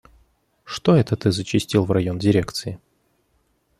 Что это ты зачастил в район дирекции?